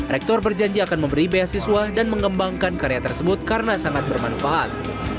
rektor berjanji akan memberi beasiswa dan mengembangkan karya tersebut karena sangat bermanfaat